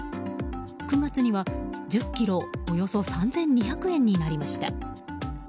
９月には１０ｋｇ、およそ３２００円になりました。